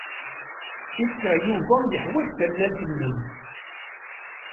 Cikkeɣ Yuba yeḥwaj tallalt-nnem.